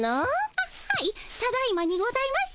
あっはいただいまにございます。